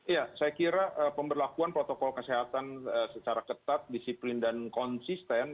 ya saya kira pemberlakuan protokol kesehatan secara ketat disiplin dan konsisten